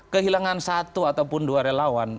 kehilangan satu ataupun dua relawan